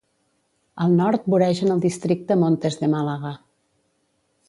Al nord voregen el districte Montes de Málaga.